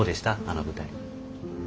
あの舞台。